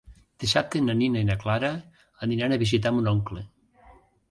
Dissabte na Nina i na Clara aniran a visitar mon oncle.